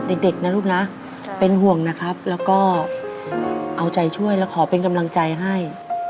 เด็กนะลูกนะเป็นห่วงนะครับแล้วก็เอาใจช่วยและขอเป็นกำลังใจให้